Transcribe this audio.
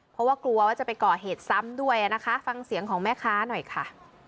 เพราะว่ากลัวว่าจะไปก่อเหตุซ้ำด้วยนะคะฟังเสียงของแม่ค้าหน่อยค่ะ